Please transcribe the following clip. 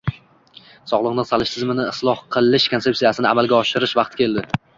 Sog‘liqni saqlash tizimini isloh qilish konseptsiyasini amalga oshirish vaqti keldi.